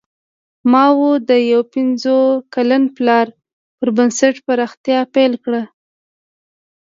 ماوو د یو پنځه کلن پلان پر بنسټ پراختیا پیل کړه.